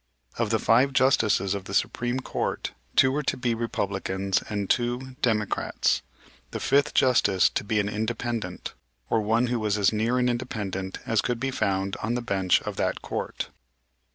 Of the five justices of the Supreme Court, two were to be Republicans and two, Democrats; the fifth Justice to be an independent, or one who was as near an independent as could be found on the bench of that Court.